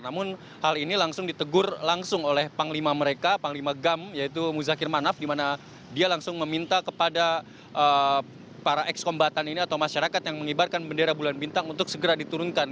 namun hal ini langsung ditegur langsung oleh panglima mereka panglima gam yaitu muzakir manaf di mana dia langsung meminta kepada para ekskombatan ini atau masyarakat yang mengibarkan bendera bulan bintang untuk segera diturunkan